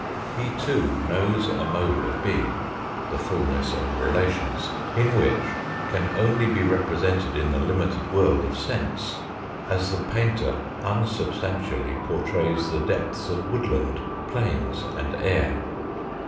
He too knows a mode of being, the fulness of relations, in which can only be represented in the limited world of sense, as the painter unsubstantially portrays the depths of woodland, plains, and air.